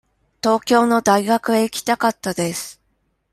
東京の大学へ行きたかったです。